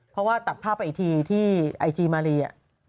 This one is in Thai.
เพราะว่าตัดภาพไปอีกทีที่ไอจีมารี